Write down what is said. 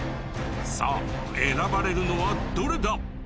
さあ選ばれるのはどれだ？